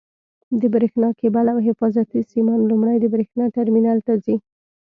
د برېښنا کېبل او حفاظتي سیمان لومړی د برېښنا ټرمینل ته ځي.